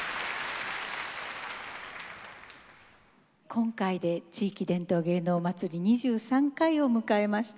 今回で「地域伝統芸能まつり」２３回を迎えました。